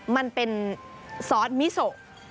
มันเป็นซอสมิโซ